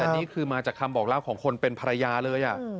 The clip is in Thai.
แต่นี่คือมาจากคำบอกเล่าของคนเป็นภรรยาเลย